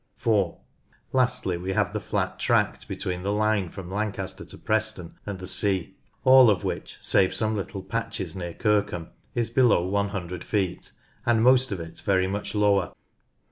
(4) Lastly we have the flat tract between the line from Lancaster to Preston and the sea, all of which, save some little patches near Kirkham, is below 100 feet, and most of it very much lower.